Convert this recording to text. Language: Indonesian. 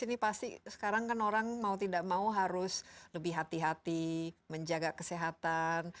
ini pasti sekarang kan orang mau tidak mau harus lebih hati hati menjaga kesehatan